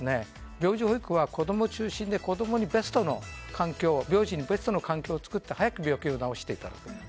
病児保育は子供中心で病時にベストの環境を作って早く病気を治していただく。